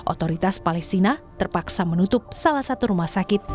otoritas palestina terpaksa menutup salah satu rumah sakit